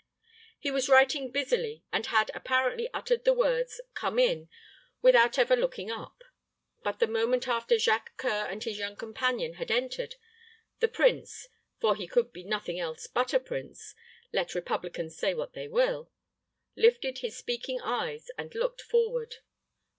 He was writing busily, and had apparently uttered the words, "Come in," without ever looking up; but the moment after Jacques C[oe]ur and his young companion had entered, the prince for he could be nothing else but a prince, let republicans say what they will lifted his speaking eyes and looked forward.